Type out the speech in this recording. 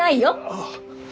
ああ。